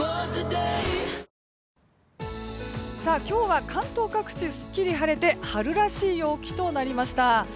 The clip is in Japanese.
今日は関東各地すっきり晴れて春らしい陽気となりました。